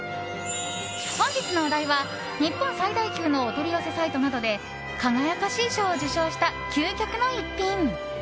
本日のお題は、日本最大級のお取り寄せサイトなどで輝かしい賞を受賞した究極の逸品。